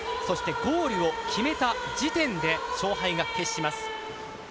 そして、ゴールを決めた時点で勝敗が喫します。